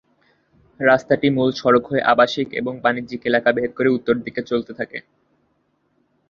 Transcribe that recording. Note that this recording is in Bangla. রাস্তাটি মূল সড়ক হয়ে আবাসিক এবং বাণিজ্যিক এলাকা ভেদ করে উত্তর দিকে চলতে থাকে।